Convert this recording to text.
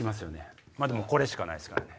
でもこれしかないですからね。